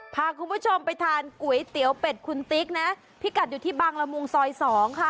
พาคุณผู้ชมไปทานก๋วยเตี๋ยวเป็ดคุณติ๊กนะพิกัดอยู่ที่บางละมุงซอย๒ค่ะ